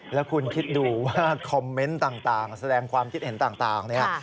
แล้วคุณคิดดูว่าคอมเมนต์ต่างแสดงความคิดเห็นต่างเนี่ย